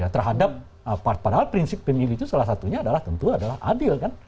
terhadap padahal prinsip pemilu itu salah satunya adalah tentu adalah adil kan